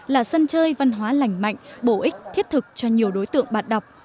là sân chơi văn hóa lành mạnh bổ ích thiết thực cho nhiều đối tượng bạn đọc